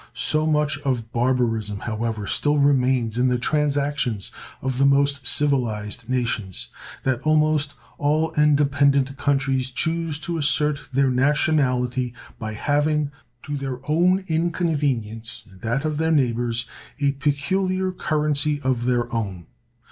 So much of barbarism, however, still remains in the transactions of the most civilized nations, that almost all independent countries choose to assert their nationality by having, to their own inconvenience and that of their neighbors, a peculiar currency of their own.